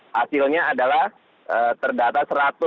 hasilnya adalah terdata satu ratus delapan puluh sembilan